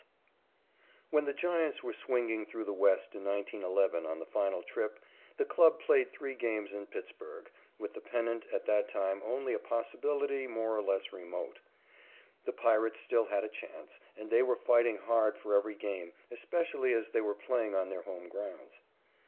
_ When the Giants were swinging through the West in 1911 on the final trip, the club played three games in Pittsburg, with the pennant at that time only a possibility more or less remote. The Pirates still had a chance, and they were fighting hard for every game, especially as they were playing on their home grounds.